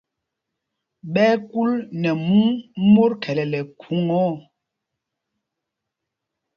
Ɓɛ́ ɛ́ kúl nɛ mûŋ mot gɛlɛlɛ khuŋa ɔ.